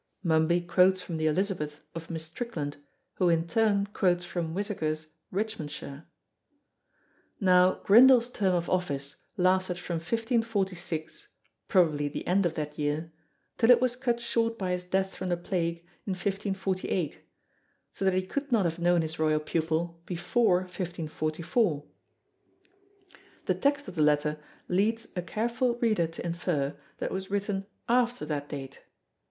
Mumby quotes from the Elizabeth of Miss Strickland, who in turn quotes from Whittaker's Richmondshire. Now Grindal's term of office lasted from 1546 (probably the end of that year) till it was cut short by his death from the Plague in 1548, so that he could not have known his royal pupil before 1544. The text of the letter leads a careful reader to infer that it was written after that date.